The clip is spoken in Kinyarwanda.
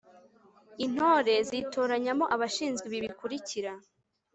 intore zitoranyamo abashinzwe ibi bikurikira